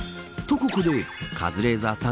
ここでカズレーザーさん